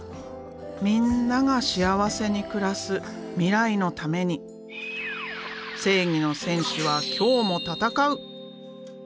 みんなが幸せに暮らす未来のために正義の戦士は今日も戦う！